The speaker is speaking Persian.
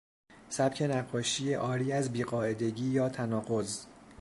سبک نقاشی عاری از بیقاعدگی یا تناقض